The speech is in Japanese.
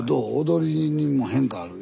踊りにも変化ある？